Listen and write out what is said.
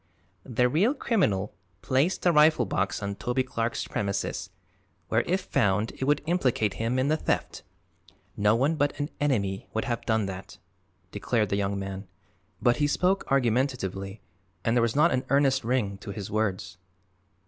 "The real criminal placed the rifled box on Toby Clark's premises, where if found it would implicate him in the theft. No one but an enemy would have done that," declared the young man, but he spoke argumentatively and there was not an earnest ring to his words.